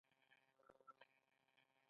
بې رڼا نه شول، هغوی چې خوروي شپې